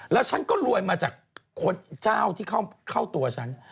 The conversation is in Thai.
แล้วฉันก็รวยมาจากเจ้าที่เข้าตัวฉัน